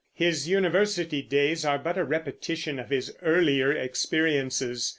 His university days are but a repetition of his earlier experiences.